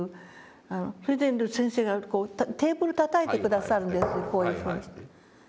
それで先生がこうテーブルたたいて下さるんですよこういうふうにして。